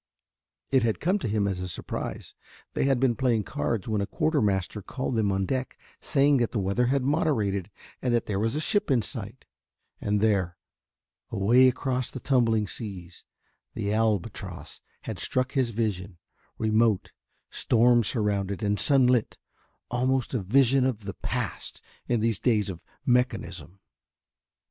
It had come to him as a surprise. They had been playing cards when a quarter master called them on deck saying that the weather had moderated and that there was a ship in sight, and there, away across the tumbling seas, the Albatross had struck his vision, remote, storm surrounded, and sunlit, almost a vision of the past in these days of mechanism.